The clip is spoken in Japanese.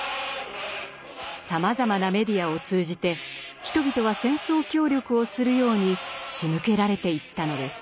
さまざまなメディアを通じて人々は戦争協力をするようにしむけられていったのです。